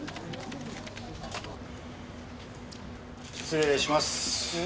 失礼します。